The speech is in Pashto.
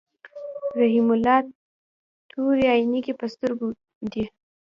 رحیم الله تورې عینکی په سترګو دي.